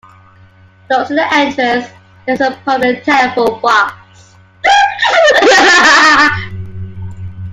Close to the entrance, there is a public telephone box.